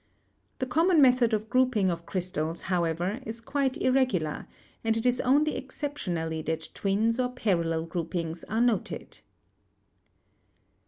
The common method of grouping of crystals, however, is quite irregu CRYSTALLOGRAPHY 255 lar, and it is only exceptionally that twins or parallel groupings are noted.